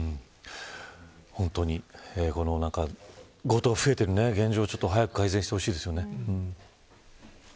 本当に強盗が増えている現状早く改善してほしいですね。